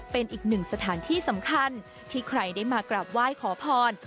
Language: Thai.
เป็นอีกหนึ่งสถานที่สำคัญที่ใครได้มากราบไหว้ขอพร